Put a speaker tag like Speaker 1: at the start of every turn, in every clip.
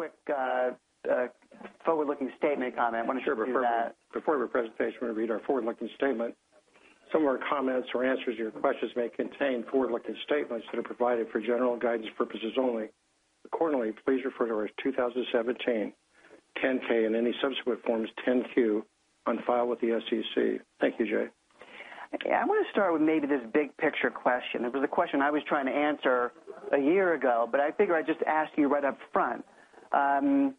Speaker 1: I want to read a quick forward-looking statement comment. Why don't you do that?
Speaker 2: Sure. Before we start, before every presentation, we read our forward-looking statement. Some of our comments or answers to your questions may contain forward-looking statements that are provided for general guidance purposes only. Accordingly, please refer to our 2017 10-K and any subsequent Forms 10-Q on file with the SEC. Thank you, Jay.
Speaker 1: I want to start with maybe this big picture question. It was a question I was trying to answer a year ago, but I figure I'd just ask you right up front. Within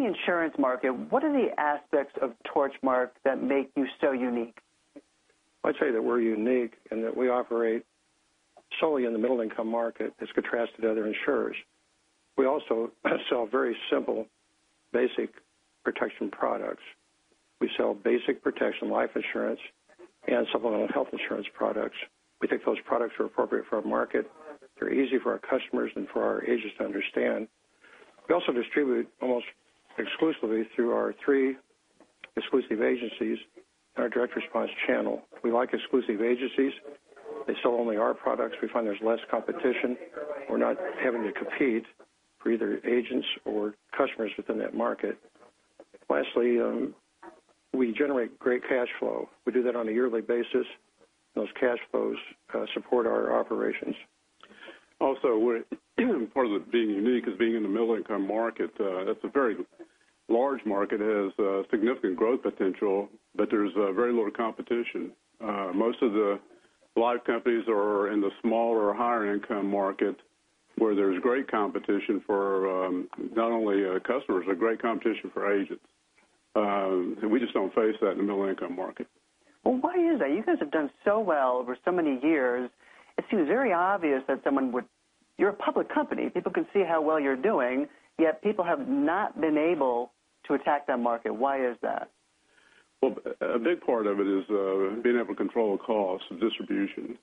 Speaker 1: the insurance market, what are the aspects of Torchmark that make you so unique?
Speaker 2: I'd say that we're unique in that we operate solely in the middle-income market as contrasted to other insurers. We also sell very simple, basic protection products. We sell basic protection life insurance and supplemental health insurance products. We think those products are appropriate for our market. They're easy for our customers and for our agents to understand. We also distribute almost exclusively through our three exclusive agencies and our direct response channel. We like exclusive agencies. They sell only our products. We find there's less competition. We're not having to compete for either agents or customers within that market. Lastly, we generate great cash flow. We do that on a yearly basis, and those cash flows support our operations.
Speaker 3: part of being unique is being in the middle-income market. That's a very large market, it has significant growth potential, but there's very little competition. Most of the life companies are in the smaller, higher-income market, where there's great competition for not only customers, there's great competition for agents. We just don't face that in the middle-income market.
Speaker 1: Well, why is that? You guys have done so well over so many years. It seems very obvious that someone would You're a public company. People can see how well you're doing, yet people have not been able to attack that market. Why is that?
Speaker 3: Well, a big part of it is being able to control the cost of distribution.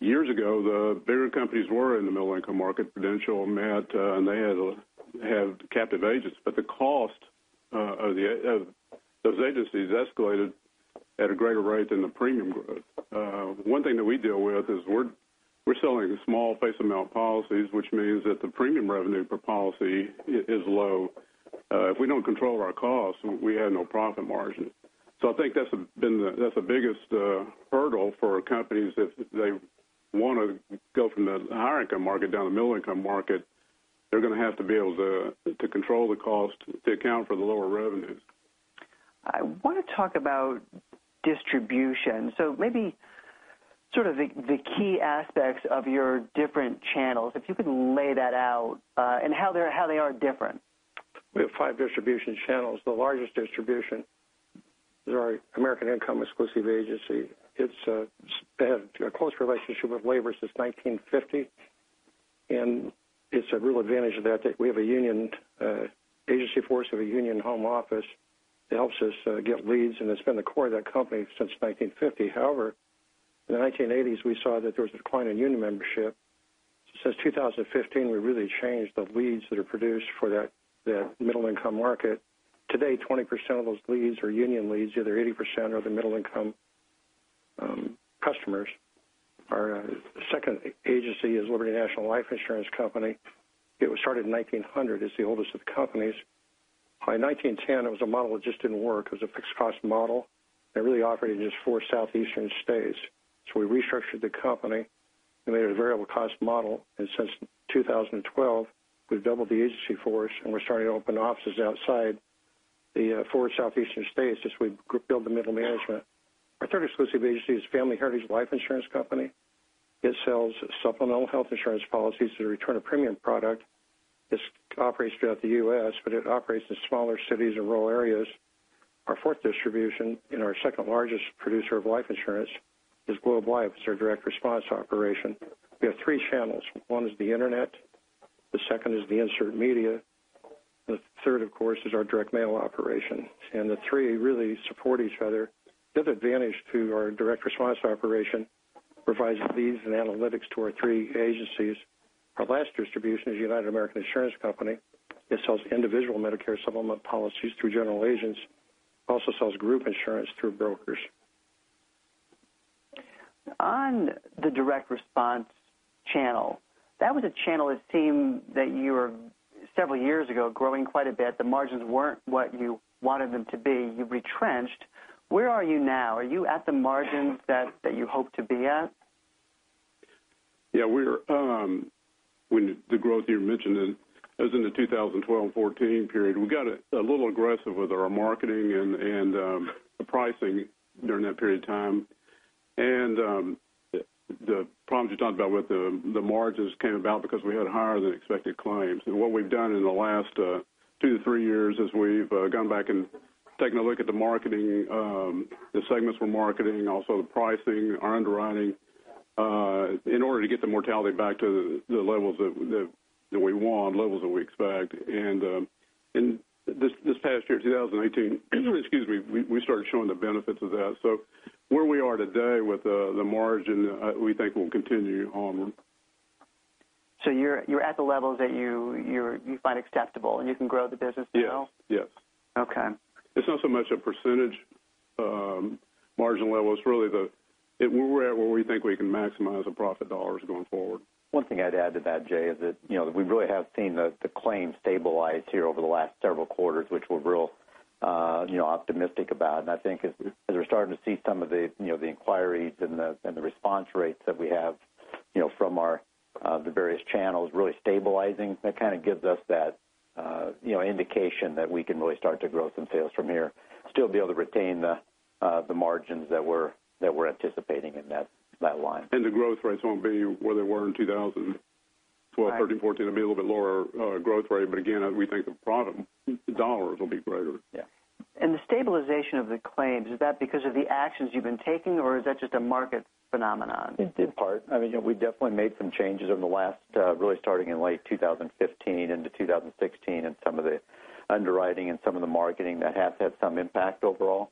Speaker 3: Years ago, the bigger companies were in the middle-income market, Prudential and MetLife, and they had captive agents. The cost of those agencies escalated at a greater rate than the premium growth. One thing that we deal with is we're selling small face amount policies, which means that the premium revenue per policy is low. If we don't control our costs, we have no profit margin. I think that's the biggest hurdle for companies. If they want to go from the higher-income market down to the middle-income market, they're going to have to be able to control the cost to account for the lower revenues.
Speaker 1: I want to talk about distribution. maybe sort of the key aspects of your different channels, if you could lay that out, and how they are different.
Speaker 2: We have five distribution channels. The largest distribution is our American Income exclusive agency. It's a real advantage that we have an agency force of a union home office that helps us get leads, and it's been the core of that company since 1950. However, in the 1980s, we saw that there was a decline in union membership. Since 2015, we really changed the leads that are produced for that middle-income market. Today, 20% of those leads are union leads. The other 80% are the middle-income customers. Our second agency is Liberty National Life Insurance Company. It was started in 1900. It's the oldest of the companies. By 1910, it was a model that just didn't work. It was a fixed cost model that really operated in just four southeastern states. We restructured the company and made it a variable cost model. Since 2012, we've doubled the agency force, and we're starting to open offices outside the four southeastern states as we build the middle management. Our third exclusive agency is Family Heritage Life Insurance Company. It sells supplemental health insurance policies as a return of premium product. This operates throughout the U.S., but it operates in smaller cities or rural areas. Our fourth distribution, and our second largest producer of life insurance, is Globe Life. It's our direct response operation. We have three channels. One is the internet, the second is the insert media, the third, of course, is our direct mail operation. The three really support each other. The advantage to our direct response operation provides leads and analytics to our three agencies. Our last distribution is United American Insurance Company. It sells individual Medicare Supplement policies through general agents. It also sells group insurance through brokers.
Speaker 1: On the direct response channel, that was a channel it seemed that you were, several years ago, growing quite a bit. The margins weren't what you wanted them to be. You retrenched. Where are you now? Are you at the margins that you hope to be at?
Speaker 3: Yeah. The growth you mentioned, that was in the 2012 and 2014 period. We got a little aggressive with our marketing and the pricing during that period of time. The problems you're talking about with the margins came about because we had higher than expected claims. What we've done in the last two to three years is we've gone back and taken a look at the marketing, the segments we're marketing, also the pricing, our underwriting, in order to get the mortality back to the levels that we want, levels that we expect. This past year, 2018, we started showing the benefits of that. Where we are today with the margin, we think will continue onward.
Speaker 1: You're at the levels that you find acceptable, and you can grow the business still?
Speaker 3: Yes.
Speaker 1: Okay.
Speaker 3: It's not so much a %
Speaker 2: Margin level is really we're at where we think we can maximize the profit dollars going forward.
Speaker 4: One thing I'd add to that, Jay, is that, we really have seen the claims stabilize here over the last several quarters, which we're real optimistic about. I think as we're starting to see some of the inquiries and the response rates that we have from the various channels really stabilizing, that kind of gives us that indication that we can really start to grow some sales from here, still be able to retain the margins that we're anticipating in that line.
Speaker 2: The growth rates won't be where they were in 2012, 2013, 2014. It'll be a little bit lower growth rate, but again, we think the profit dollars will be greater.
Speaker 4: Yeah.
Speaker 1: The stabilization of the claims, is that because of the actions you've been taking, or is that just a market phenomenon?
Speaker 4: In part. We definitely made some changes over the last, really starting in late 2015 into 2016, in some of the underwriting and some of the marketing. That has had some impact overall.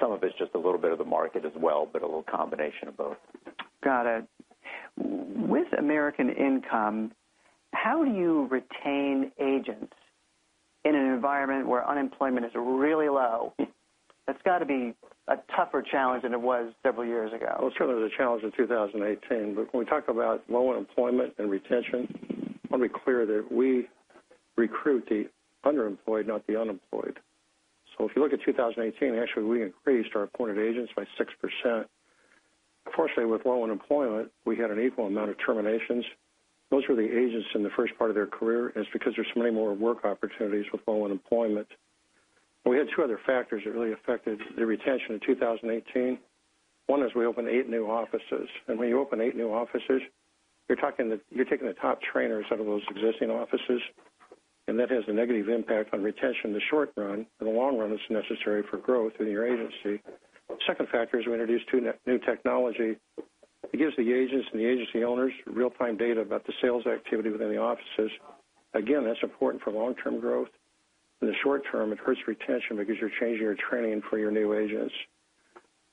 Speaker 4: Some of it's just a little bit of the market as well, but a little combination of both.
Speaker 1: Got it. With American Income, how do you retain agents in an environment where unemployment is really low? That's got to be a tougher challenge than it was several years ago.
Speaker 2: Well, it's certainly a challenge in 2018. When we talk about low unemployment and retention, I want to be clear that we recruit the underemployed, not the unemployed. If you look at 2018, actually, we increased our appointed agents by 6%. Unfortunately, with low unemployment, we had an equal amount of terminations. Those were the agents in the first part of their career, and it's because there's many more work opportunities with low unemployment. We had two other factors that really affected the retention in 2018. One is we opened eight new offices. When you open eight new offices, you're taking the top trainers out of those existing offices, and that has a negative impact on retention in the short run. In the long run, it's necessary for growth in your agency. Second factor is we introduced new technology that gives the agents and the agency owners real-time data about the sales activity within the offices. Again, that's important for long-term growth. In the short term, it hurts retention because you're changing your training for your new agents.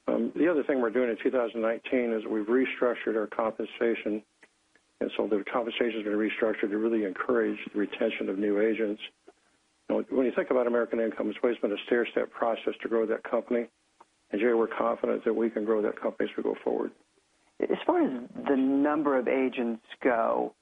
Speaker 2: The other thing we're doing in 2019 is we've restructured our compensation, the compensation's been restructured to really encourage the retention of new agents. When you think about American Income, it's always been a stair-step process to grow that company. Jay, we're confident that we can grow that company as we go forward.
Speaker 1: As far as the number of agents go,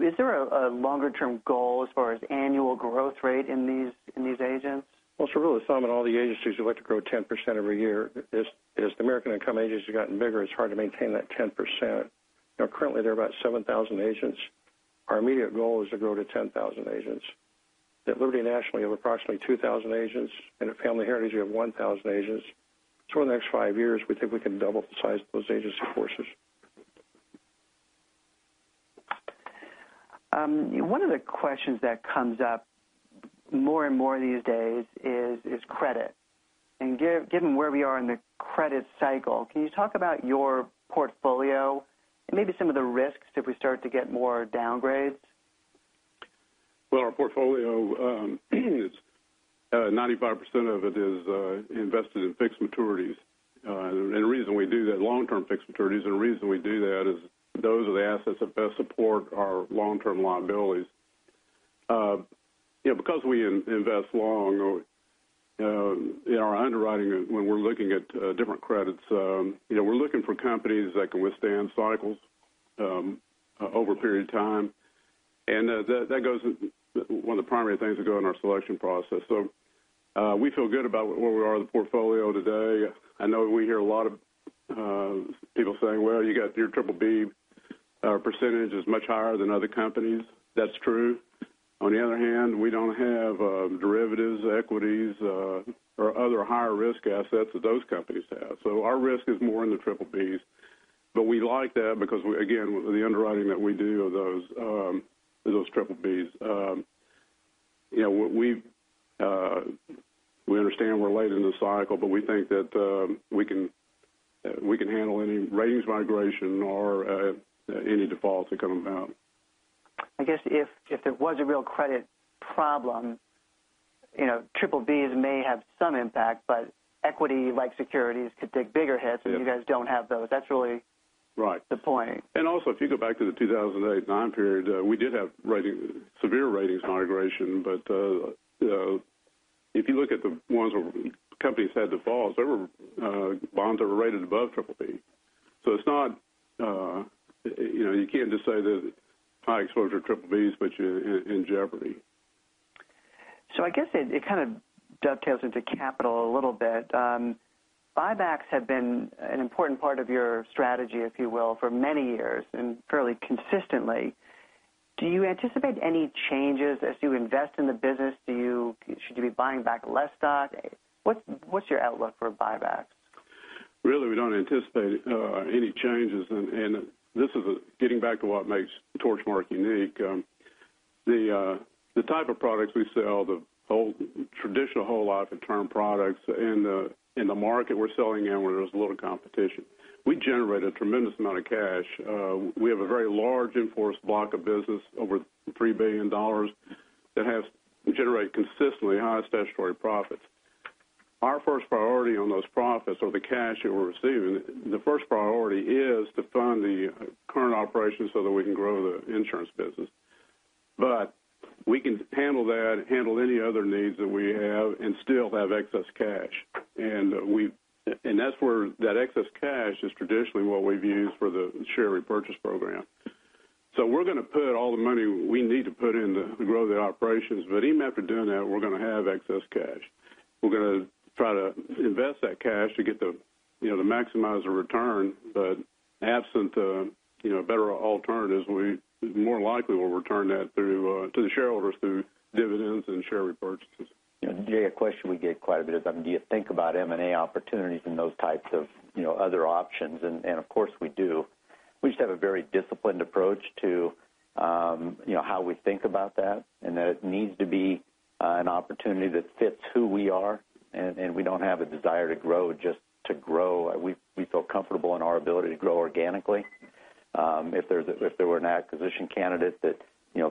Speaker 1: is there a longer-term goal as far as annual growth rate in these agents?
Speaker 2: Really, the sum of all the agencies would like to grow 10% every year. As the American Income agents have gotten bigger, it's hard to maintain that 10%. Currently, there are about 7,000 agents. Our immediate goal is to grow to 10,000 agents. At Liberty National, you have approximately 2,000 agents. At Family Heritage, you have 1,000 agents. In the next five years, we think we can double the size of those agency forces.
Speaker 1: One of the questions that comes up more and more these days is credit. Given where we are in the credit cycle, can you talk about your portfolio and maybe some of the risks if we start to get more downgrades?
Speaker 2: Our portfolio, 95% of it is invested in fixed maturities. The reason we do that long-term fixed maturities is those are the assets that best support our long-term liabilities. Because we invest long, in our underwriting, when we're looking at different credits, we're looking for companies that can withstand cycles over a period of time. One of the primary things that go in our selection process. We feel good about where we are in the portfolio today. I know we hear a lot of people saying, "Your BBB percentage is much higher than other companies." That's true. On the other hand, we don't have derivatives, equities, or other higher-risk assets that those companies have. Our risk is more in the BBBs, but we like that because, again, the underwriting that we do of those BBBs. We understand we're late in the cycle, we think that we can handle any ratings migration or any defaults that come about.
Speaker 1: I guess if there was a real credit problem, BBBs may have some impact, but equity-like securities could take bigger hits, and you guys don't have those. That's really.
Speaker 2: Right
Speaker 1: The point.
Speaker 2: Also, if you go back to the 2008-9 period, we did have severe ratings migration. If you look at the ones where companies had defaults, their bonds are rated above BBB. You can't just say that high exposure BBBs puts you in jeopardy.
Speaker 1: I guess it kind of dovetails into capital a little bit. Buybacks have been an important part of your strategy, if you will, for many years, and fairly consistently. Do you anticipate any changes as you invest in the business? Should you be buying back less stock? What's your outlook for buybacks?
Speaker 2: Really, we don't anticipate any changes. This is getting back to what makes Torchmark unique. The type of products we sell, the traditional whole life and term products in the market we're selling in where there's a little competition. We generate a tremendous amount of cash. We have a very large in-force block of business, over $3 billion, that has generated consistently high statutory profits. Our first priority on those profits or the cash that we're receiving, the first priority is to fund the current operations so that we can grow the insurance business.
Speaker 3: We can handle that, handle any other needs that we have, and still have excess cash. That excess cash is traditionally what we've used for the share repurchase program. We're going to put all the money we need to put in to grow the operations, but even after doing that, we're going to have excess cash. We're going to try to invest that cash to maximize the return. Absent better alternatives, we more likely will return that to the shareholders through dividends and share repurchases.
Speaker 4: Jay, a question we get quite a bit is, do you think about M&A opportunities and those types of other options? Of course we do. We just have a very disciplined approach to how we think about that, and that it needs to be an opportunity that fits who we are, and we don't have a desire to grow just to grow. We feel comfortable in our ability to grow organically. If there were an acquisition candidate that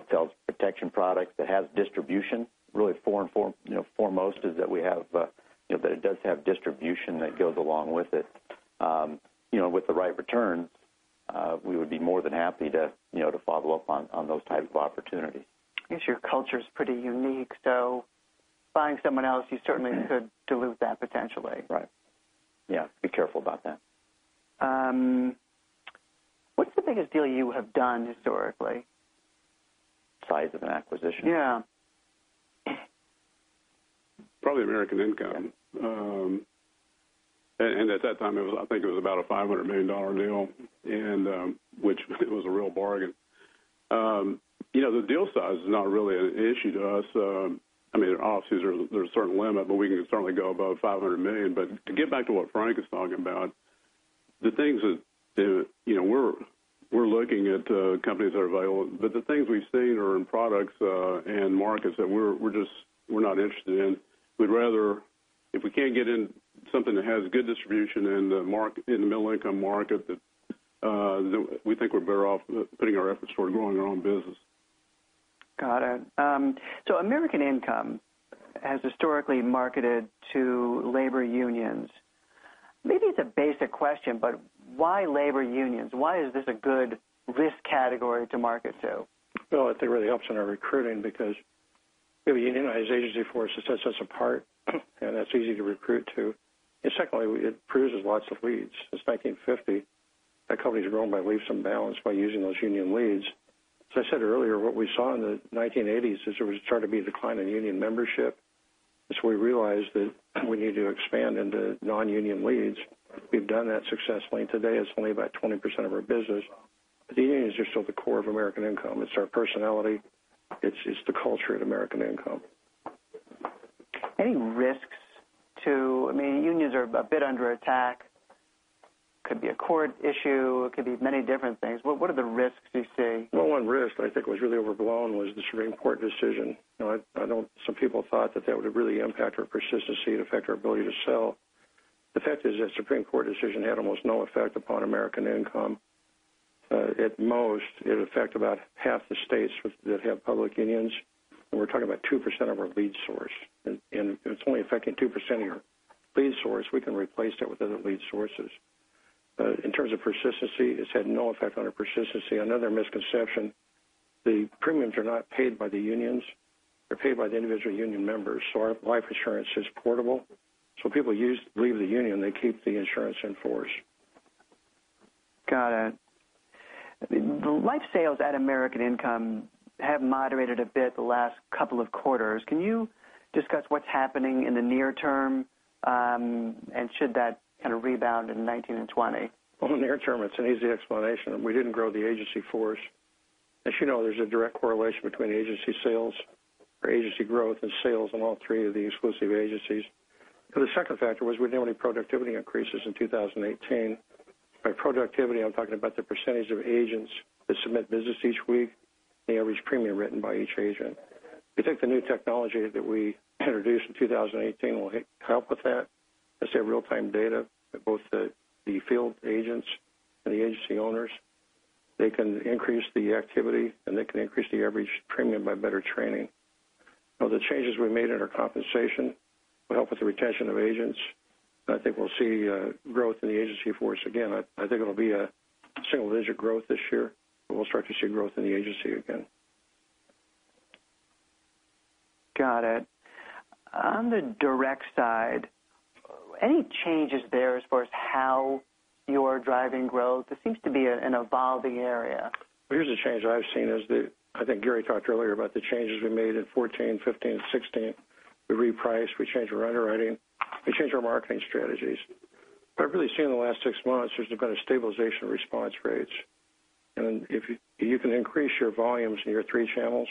Speaker 4: sells protection products that has distribution, really foremost is that it does have distribution that goes along with it. With the right return, we would be more than happy to follow up on those types of opportunities.
Speaker 1: Yes, your culture's pretty unique, so buying someone else, you certainly could dilute that potentially.
Speaker 4: Right. Yeah, be careful about that.
Speaker 1: What's the biggest deal you have done historically?
Speaker 4: Size of an acquisition?
Speaker 1: Yeah.
Speaker 3: Probably American Income. At that time, I think it was about a $500 million deal, which was a real bargain. The deal size is not really an issue to us. Obviously, there's a certain limit, but we can certainly go above $500 million. To get back to what Frank is talking about, we're looking at companies that are available, but the things we've seen are in products and markets that we're not interested in. If we can't get in something that has good distribution in the middle income market, we think we're better off putting our efforts toward growing our own business.
Speaker 1: Got it. American Income has historically marketed to labor unions. Maybe it's a basic question, but why labor unions? Why is this a good risk category to market to?
Speaker 3: Well, I think it really helps in our recruiting because unionized agency force, it sets us apart, and that's easy to recruit to. Secondly, it produces lots of leads. Since 1950, that company's grown by leaps and bounds by using those union leads. As I said earlier, what we saw in the 1980s is there was starting to be a decline in union membership, we realized that we need to expand into non-union leads. We've done that successfully. Today, it's only about 20% of our business, the unions are still the core of American Income. It's our personality. It's just the culture at American Income.
Speaker 1: Any risks to Unions are a bit under attack. Could be a court issue, it could be many different things. What are the risks you see?
Speaker 3: Well, one risk that I think was really overblown was the Supreme Court decision. I know some people thought that that would really impact our persistency, it'd affect our ability to sell. The fact is that Supreme Court decision had almost no effect upon American Income. At most, it affected about half the states that have public unions, we're talking about 2% of our lead source. If it's only affecting 2% of your lead source, we can replace that with other lead sources. In terms of persistency, it's had no effect on our persistency. Another misconception, the premiums are not paid by the unions. They're paid by the individual union members. Our life insurance is portable, so people leave the union, they keep the insurance in force.
Speaker 1: Got it. The life sales at American Income have moderated a bit the last couple of quarters. Can you discuss what's happening in the near term? Should that kind of rebound in 2019 and 2020?
Speaker 3: Well, in the near term, it's an easy explanation. We didn't grow the agency force. As you know, there's a direct correlation between agency sales or agency growth and sales on all three of the exclusive agencies. The second factor was we had no productivity increases in 2018. By productivity, I'm talking about the percentage of agents that submit business each week, the average premium written by each agent. We think the new technology that we introduced in 2018 will help with that. Let's say real-time data at both the field agents and the agency owners. They can increase the activity, and they can increase the average premium by better training. The changes we made in our compensation will help with the retention of agents. I think we'll see growth in the agency force again. I think it'll be a single-digit growth this year, we'll start to see growth in the agency again.
Speaker 1: Got it. On the direct side, any changes there as far as how you're driving growth? It seems to be an evolving area.
Speaker 2: Well, here's the change that I've seen is the, I think Gary talked earlier about the changes we made in 2014, 2015, and 2016. We repriced, we changed our underwriting, we changed our marketing strategies. I've really seen in the last six months, there's been a stabilization of response rates. If you can increase your volumes in your three channels,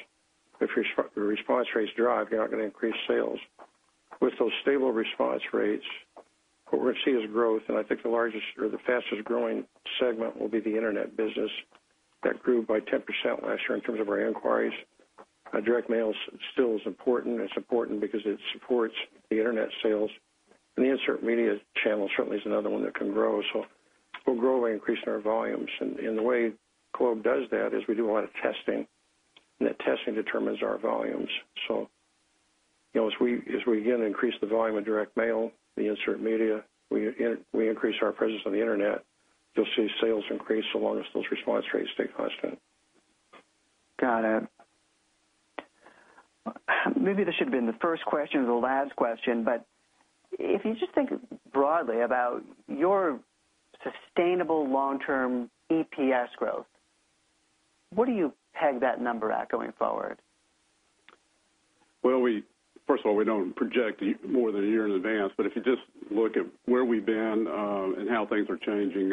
Speaker 2: if your response rates drop, you're not going to increase sales. With those stable response rates, what we're going to see is growth, and I think the largest or the fastest-growing segment will be the internet business. That grew by 10% last year in terms of our inquiries. Direct mail still is important. It's important because it supports the internet sales. The insert media channel certainly is another one that can grow. We'll grow by increasing our volumes.
Speaker 3: The way Globe does that is we do a lot of testing, and that testing determines our volumes. As we again increase the volume of direct mail, the insert media, we increase our presence on the internet, you'll see sales increase so long as those response rates stay constant.
Speaker 1: Got it. Maybe this should've been the first question or the last question, but if you just think broadly about your sustainable long-term EPS growth, what do you peg that number at going forward?
Speaker 3: Well, first of all, we don't project more than a year in advance. If you just look at where we've been and how things are changing.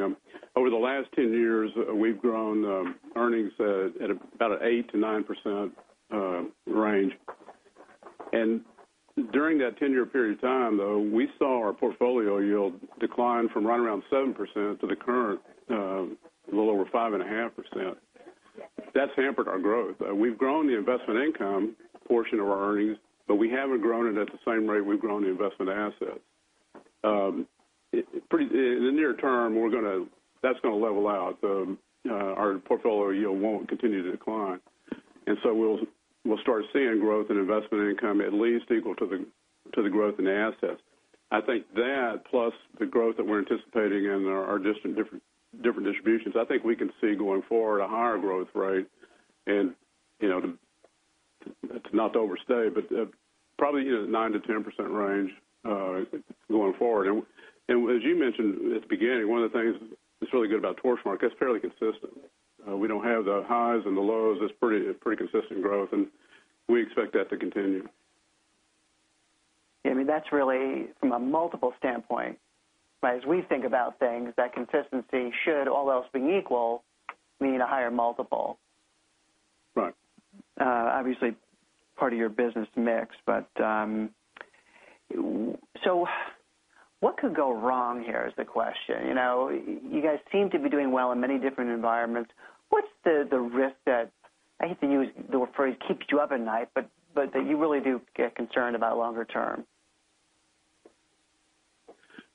Speaker 3: Over the last 10 years, we've grown earnings at about an 8%-9% range. During that 10-year period of time, though, we saw our portfolio yield decline from right around 7% to the current little over 5.5%. That's hampered our growth. We've grown the investment income portion of our earnings, but we haven't grown it at the same rate we've grown the investment asset. In the near term, that's going to level out. Our portfolio yield won't continue to decline, and so we'll start seeing growth in investment income at least equal to the growth in assets. I think that, plus the growth that we're anticipating in our different distributions, I think we can see going forward a higher growth rate. Not to overstay, but probably 9%-10% range going forward. As you mentioned at the beginning, one of the things that's really good about Torchmark, that's fairly consistent. We don't have the highs and the lows. It's pretty consistent growth, and we expect that to continue.
Speaker 1: Yeah, that's really from a multiple standpoint. As we think about things, that consistency should, all else being equal, mean a higher multiple.
Speaker 3: Right.
Speaker 1: Obviously part of your business mix. What could go wrong here, is the question. You guys seem to be doing well in many different environments. What's the risk that, I hate to use the phrase keeps you up at night, but that you really do get concerned about longer term?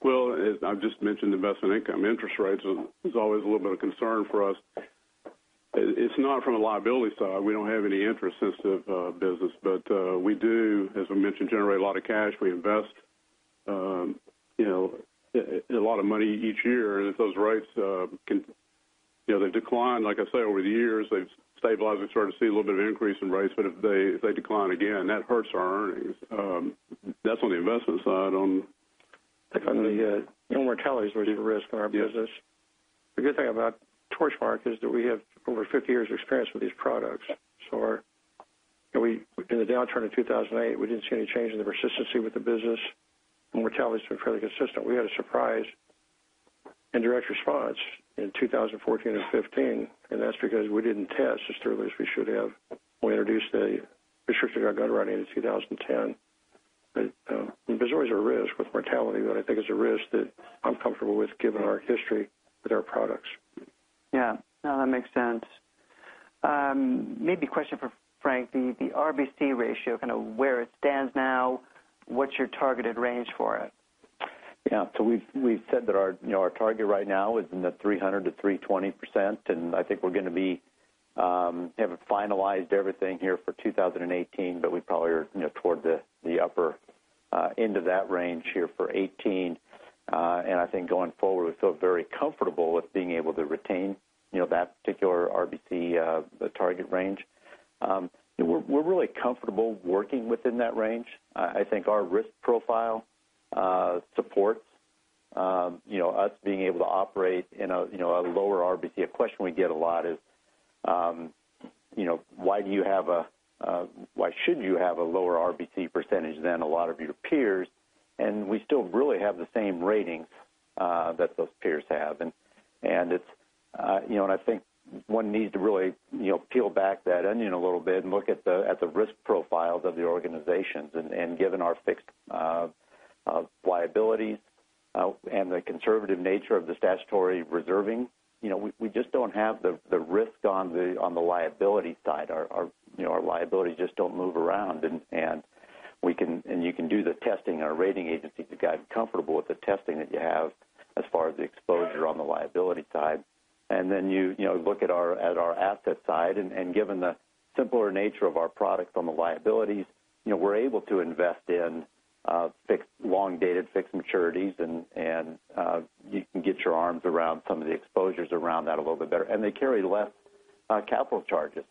Speaker 3: Well, as I've just mentioned, investment income. Interest rates is always a little bit of concern for us. It's not from a liability side. We don't have any interest-sensitive business. We do, as I mentioned, generate a lot of cash. We invest a lot of money each year. If those rates can decline, like I say, over the years, they've stabilized. We've started to see a little bit of increase in rates, but if they decline again, that hurts our earnings. That's on the investment side.
Speaker 2: I think on the mortality is where there's a risk in our business. The good thing about Torchmark is that we have over 50 years of experience with these products. In the downturn in 2008, we didn't see any change in the persistency with the business. Mortality's been fairly consistent. We had a surprise in direct response in 2014 and 2015, and that's because we didn't test as thoroughly as we should have when we introduced a restriction on guaranteed issue in 2010. There's always a risk with mortality, but I think it's a risk that I'm comfortable with given our history with our products.
Speaker 1: Yeah. No, that makes sense. Maybe a question for Frank, the RBC ratio, kind of where it stands now, what's your targeted range for it?
Speaker 4: Yeah. We've said that our target right now is in the 300%-320%, and I think we haven't finalized everything here for 2018, but we probably are toward the upper end of that range here for 2018. I think going forward, we feel very comfortable with being able to retain that particular RBC target range. We're really comfortable working within that range. I think our risk profile supports us being able to operate in a lower RBC. A question we get a lot is why should you have a lower RBC percentage than a lot of your peers? We still really have the same ratings that those peers have. I think one needs to really peel back that onion a little bit and look at the risk profiles of the organizations. Given our fixed liabilities and the conservative nature of the statutory reserving, we just don't have the risk on the liability side. Our liabilities just don't move around, and you can do the testing. Our rating agencies have gotten comfortable with the testing that you have as far as the exposure on the liability side. You look at our asset side, and given the simpler nature of our products on the liabilities, we're able to invest in long-dated fixed maturities, and you can get your arms around some of the exposures around that a little bit better. They carry less capital charges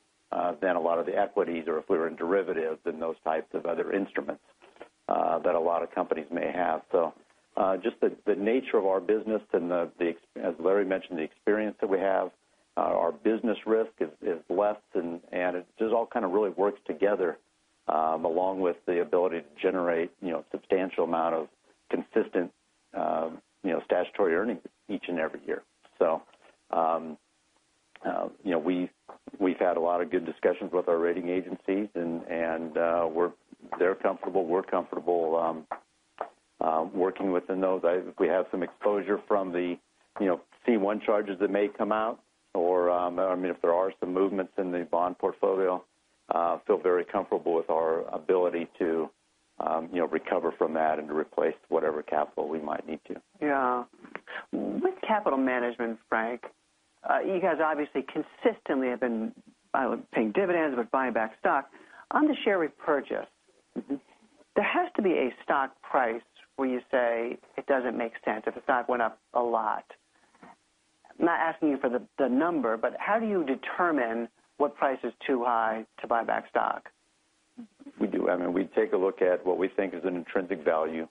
Speaker 4: than a lot of the equities or if we were in derivatives and those types of other instruments that a lot of companies may have. Just the nature of our business and, as Larry mentioned, the experience that we have, our business risk is less, and it just all kind of really works together, along with the ability to generate substantial amount of consistent statutory earnings each and every year. We've had a lot of good discussions with our rating agencies, and they're comfortable, we're comfortable working within those. If we have some exposure from the C1 charges that may come out, or if there are some movements in the bond portfolio, feel very comfortable with our ability to recover from that and to replace whatever capital we might need to.
Speaker 1: Yeah. With capital management, Frank, you guys obviously consistently have been paying dividends but buying back stock. On the share repurchase- There has to be a stock price where you say it doesn't make sense if the stock went up a lot. I'm not asking you for the number, but how do you determine what price is too high to buy back stock?
Speaker 4: We do. We take a look at what we think is an intrinsic value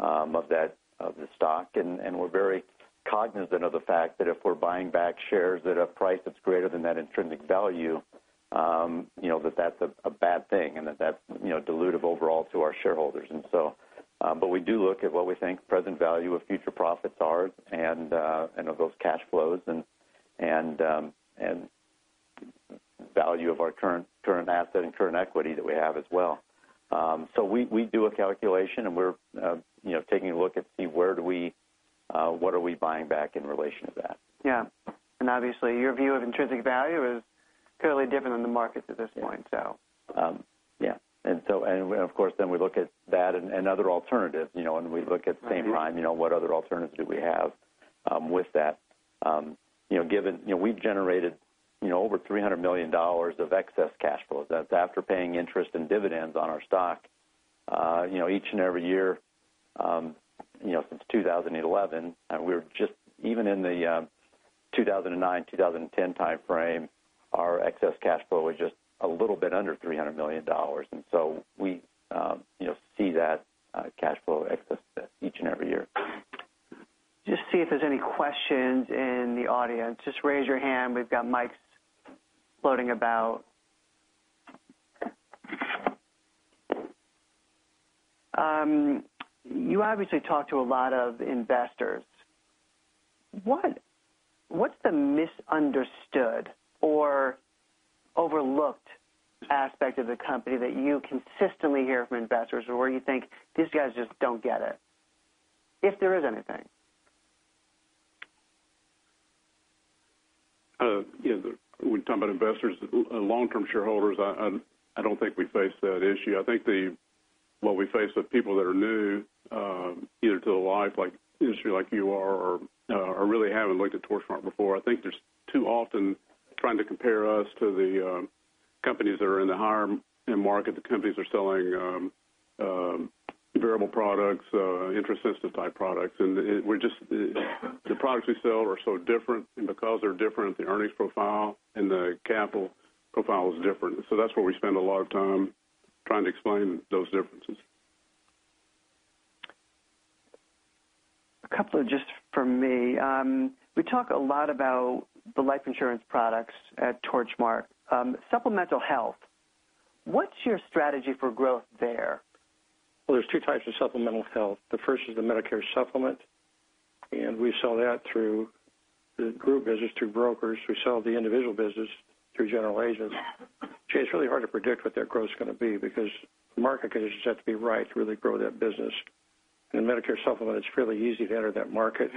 Speaker 4: of the stock, and we're very cognizant of the fact that if we're buying back shares at a price that's greater than that intrinsic value, that that's a bad thing and that that's dilutive overall to our shareholders. We do look at what we think present value of future profits are, and of those cash flows, and value of our current asset and current equity that we have as well. We do a calculation, and we're taking a look to see what are we buying back in relation to that.
Speaker 1: Yeah. Obviously, your view of intrinsic value is clearly different than the market's at this point.
Speaker 4: Yeah. Of course we look at that and other alternatives, and we look at the same time, what other alternatives do we have with that? We've generated over $300 million of excess cash flows. That's after paying interest and dividends on our stock each and every year since 2011. Even in the 2009, 2010 timeframe, our excess cash flow was just a little bit under $300 million. So we see that cash flow excess each and every year.
Speaker 1: Just see if there's any questions in the audience. Just raise your hand. We've got mics floating about. You obviously talk to a lot of investors. What's the misunderstood or overlooked aspect of the company that you consistently hear from investors, or where you think these guys just don't get it? If there is anything.
Speaker 2: When you talk about investors, long-term shareholders, I don't think we face that issue. I think what we face with people that are new, either to the life industry like you are or really haven't looked at Torchmark before, I think there's too often trying to compare us to the companies that are in the higher end market, the companies that are selling variable products, interest-sensitive type products. The products we sell are so different, and because they're different, the earnings profile and the capital profile is different. That's where we spend a lot of time trying to explain those differences.
Speaker 1: A couple just from me. We talk a lot about the life insurance products at Torchmark. Supplemental health, what's your strategy for growth there?
Speaker 2: There's 2 types of supplemental health. The first is the Medicare Supplement, we sell that through the group business through brokers. We sell the individual business through general agents. Gee, it's really hard to predict what that growth's going to be because the market conditions have to be right to really grow that business. In Medicare Supplement, it's fairly easy to enter that market,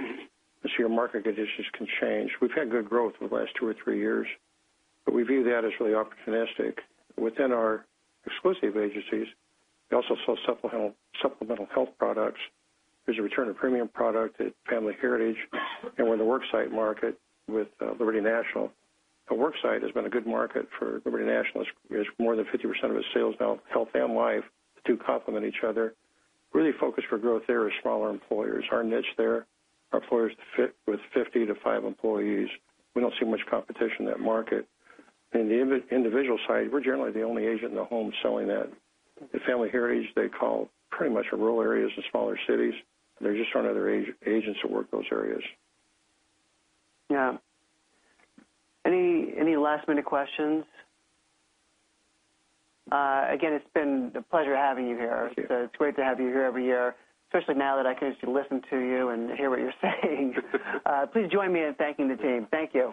Speaker 2: your market conditions can change. We've had good growth over the last 2 or 3 years, we view that as really opportunistic. Within our exclusive agencies, we also sell supplemental health products. There's a return of premium product at Family Heritage, and we're in the worksite market with Liberty National. The worksite has been a good market for Liberty National. More than 50% of its sales now, health and life, do complement each other. Really focus for growth there is smaller employers. Our niche there are employers with 50 to five employees. We don't see much competition in that market. In the individual side, we're generally the only agent in the home selling that. At Family Heritage, they call pretty much the rural areas and smaller cities. There just aren't other agents that work those areas.
Speaker 1: Yeah. Any last-minute questions? Again, it's been a pleasure having you here.
Speaker 2: Thank you.
Speaker 1: It's great to have you here every year, especially now that I can actually listen to you and hear what you're saying. Please join me in thanking the team. Thank you.